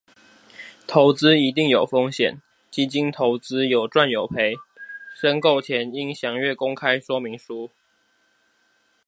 投資一定有風險，基金投資有賺有賠，申購前應詳閱公開說明書。